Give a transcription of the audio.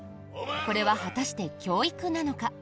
これは果たして教育なのか？